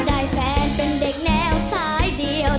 ได้แฟนเป็นเด็กแนวสายเดียว